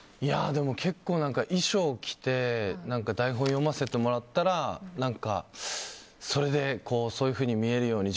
結構、衣装を着て台本を読ませてもらったらそれで、そういうふうに見えるように。